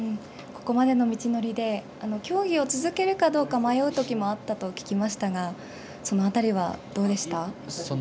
ここまでの道のりで、競技を続けるかどうか迷うときもあったと聞きましたが、そのあたりはどうでした？